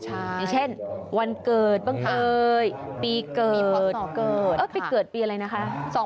อย่างเช่นวันเกิดบ้างเอ่ยปีเกิดวันเกิดไปเกิดปีอะไรนะคะ